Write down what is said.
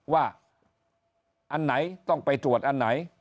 ว่าอันไหนต้องไปตรวจอันไหน